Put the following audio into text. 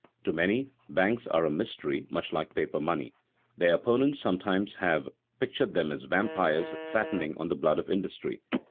To many, banks are a mystery much like paper money. Their opponents sometimes have pictured them as vampires fattening on the blood of industry.